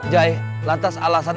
jai lantas alasan